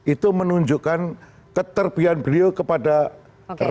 itu menunjukkan keterbihan beliau kepada tera